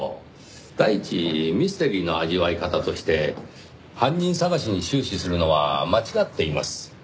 第一ミステリーの味わい方として犯人捜しに終始するのは間違っています。